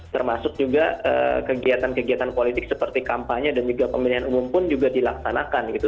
termasuk juga kegiatan kegiatan politik seperti kampanye dan juga pemilihan umum pun juga dilaksanakan gitu